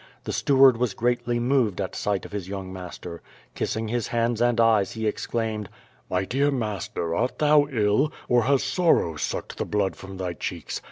The steward was greatly .moved at sight of his young master. Kissing his hands and eyes, he exclaimed: "l^fy dear master, art thou ill, or has sorrow sucked the blood from thv cheeks?